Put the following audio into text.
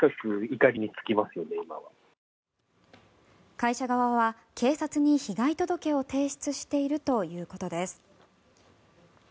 会社側は警察に被害届を提出しているということです。